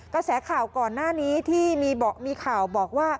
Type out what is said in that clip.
ก็แสข่าก่อนหน้านี้ที่มีข่าว